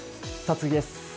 次です。